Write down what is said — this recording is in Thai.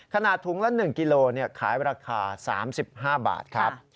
ถุงละ๑กิโลขายราคา๓๕บาทครับ